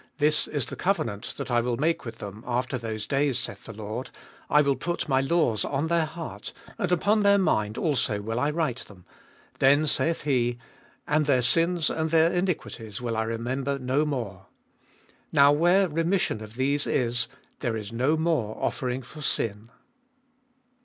This is the covenant that I will make with them After those days, saith the Lord ; I will put my laws on their heart, And upon their mind also will I write them ; then saith he, 17. And their sins and their iniquities will I remember no more. 18. Now where remission of these is, there is no more offering for sin.